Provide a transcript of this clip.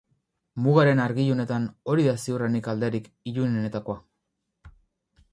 Mugaren argi-ilunetan hori da ziurrenik alderik ilunenetakoa.